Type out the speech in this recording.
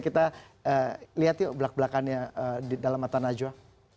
kita lihat yuk belak belakannya di dalam mata najwa